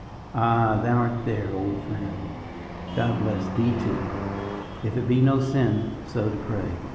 "Ah! thou art there, old friend. God bless thee, too, if it be no sin so to pray.